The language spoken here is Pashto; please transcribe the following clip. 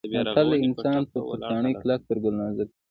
متل دی: انسان تر کاڼي کلک تر ګل نازک دی.